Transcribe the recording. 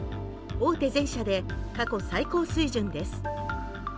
大手全社で過去最高水準です。